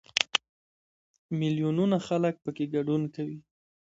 میلیونونه خلک پکې ګډون کوي.